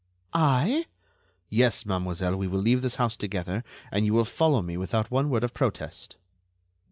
"I?" "Yes, mademoiselle, we will leave this house together, and you will follow me without one word of protest."